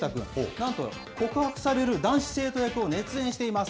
なんと告白される男子生徒役を熱演しています。